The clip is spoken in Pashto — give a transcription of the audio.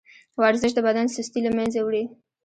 ورزش د بدن سستي له منځه وړي.